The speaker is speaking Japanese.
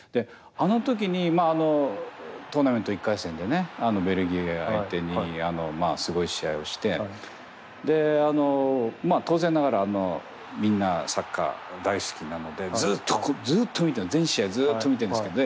あの時にトーナメント１回戦でねベルギー相手にすごい試合をしてでまあ当然ながらみんなサッカー大好きなのでずっと見てる全試合ずっと見てるんですけど。